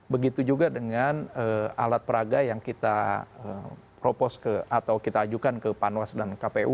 begitu juga dengan alat peraga yang kita propos ke atau kita ajukan ke panwas dan kpu